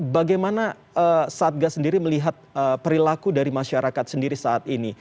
bagaimana satgas sendiri melihat perilaku dari masyarakat sendiri saat ini